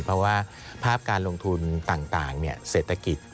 เพราะว่าภาพการลงทุนต่างเศรษฐกิจ